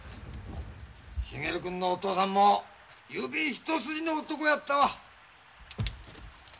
茂くんのお父さんも郵便一筋の男やったわ。